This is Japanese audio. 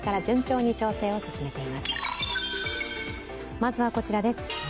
まずはこちらです。